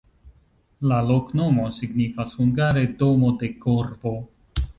La loknomo signifas hungare: domo de korvo.